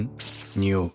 匂う。